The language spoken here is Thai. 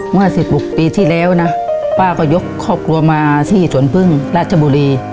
เมื่อ๑๖ปีที่แล้วนะป้าก็ยกครอบครัวมาที่สวนพึ่งราชบุรี